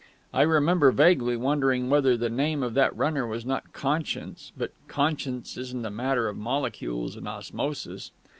I remember vaguely wondering whether the name of that Runner was not Conscience; but Conscience isn't a matter of molecules and osmosis....